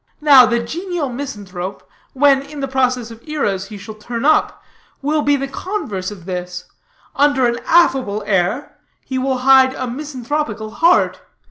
Now, the genial misanthrope, when, in the process of eras, he shall turn up, will be the converse of this; under an affable air, he will hide a misanthropical heart.